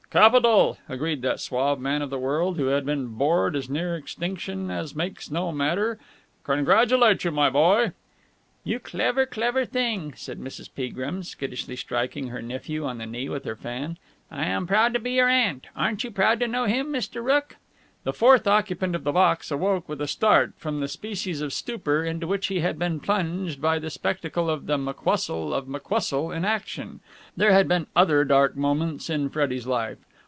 "Capital!" agreed that suave man of the world, who had been bored as near extinction as makes no matter. "Congratulate you, my boy!" "You clever, clever thing!" said Mrs. Peagrim, skittishly striking her nephew on the knee with her fan. "I'm proud to be your aunt! Aren't you proud to know him, Mr. Rooke?" The fourth occupant of the box awoke with a start from the species of stupor into which he had been plunged by the spectacle of the McWhustle of McWhustle in action. There had been other dark moments in Freddie's life.